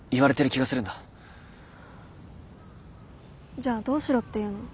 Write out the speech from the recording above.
じゃあどうしろっていうの？